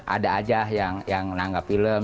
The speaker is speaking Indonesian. ada aja yang nanggap film